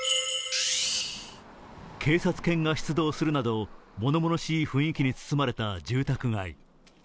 警察犬が出動するなどものものしい雰囲気に包まれた住宅街。